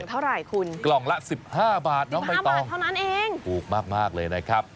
กล่องเท่าไหร่คุณกล่องละสิบห้าบาทสิบห้าบาทเท่านั้นเองฟูกมากมากเลยนะครับ